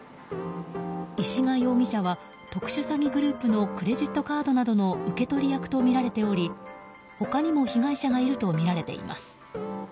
石賀容疑者は特殊詐欺グループのクレジットカードなどの受け取り役とみられており他にも被害者がいるとみられています。